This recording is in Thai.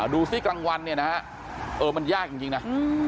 ดูสิกลางวันเออมันยากจริงนะ